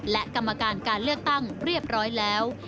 และกรรมการการเลือกตั้งเรียบร้อยแล้ว